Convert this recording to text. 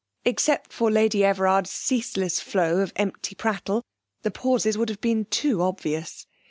Except for Lady Everard's ceaseless flow of empty prattle the pauses would have been too obvious.